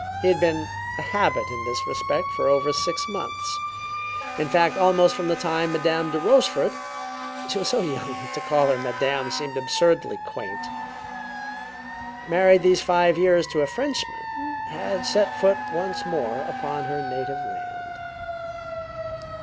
He had been a habit in this respect for over six months; in fact, almost from the time Madame de Rochefort (she was so young that to call her Madame seemed absurdly quaint), married these five years to a Frenchman, had set foot once more upon her native land.